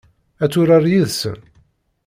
Ad turar yid-sen?